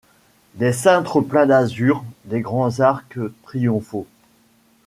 Les cintres pleins d’azur des grands arcs triomphaux